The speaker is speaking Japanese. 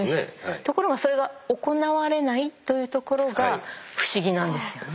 ところがそれが行われないというところが不思議なんですよね。